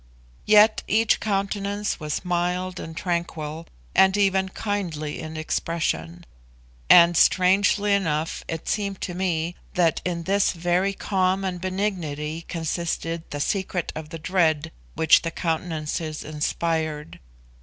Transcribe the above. Yet each countenance was mild and tranquil, and even kindly in expression. And, strangely enough, it seemed to me that in this very calm and benignity consisted the secret of the dread which the countenances inspired.